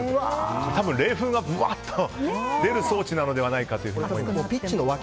多分冷風がぶわっと出る装置なのではないかと。